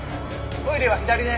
トイレは左ね。